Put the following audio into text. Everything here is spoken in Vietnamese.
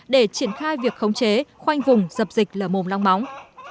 để triển khai việc khống chế khoanh vùng dập dịch lở mồm long móng